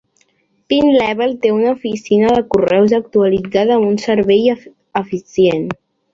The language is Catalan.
Pine Level té una oficina de correus actualitzada amb uns servei eficient.